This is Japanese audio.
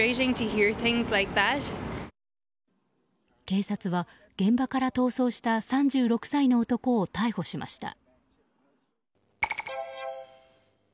警察は、現場から逃走した３６歳の男を逮捕しました。